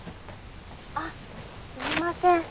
あっすみません。